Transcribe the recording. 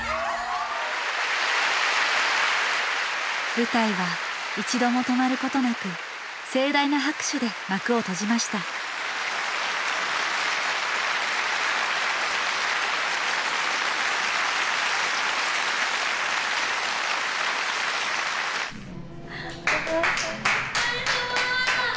舞台は一度も止まることなく盛大な拍手で幕を閉じました萌音ちゃん。